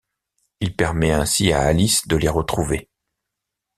Il permet ainsi à Alice de les retrouver.